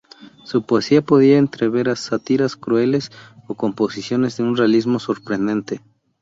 Su poesía podía entrever sátiras crueles o composiciones de un realismo sorprendente.